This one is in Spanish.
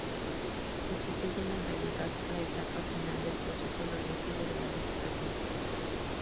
Constituyen, en realidad, la etapa final del proceso regresivo de la vegetación forestal.